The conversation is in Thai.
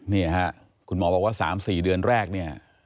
นี่ค่ะคุณหมอบอกว่า๓๔เดือนแรกเนี่ย